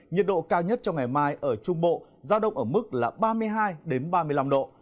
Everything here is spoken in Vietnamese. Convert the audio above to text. nhiệt độ cao nhất trong ngày mai ở trung bộ giao động ở mức là ba mươi hai ba mươi năm độ